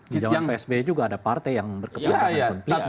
di jangka pak sbe juga ada partai yang berkeputusan